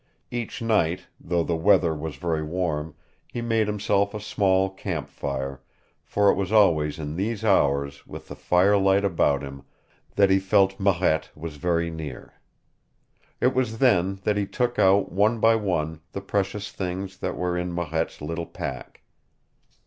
Each night, though the weather was very warm, he made himself a small camp fire, for it was always in these hours, with the fire light about him, that he felt Marette was very near. It was then that he took out one by one the precious things that were in Marette's little pack.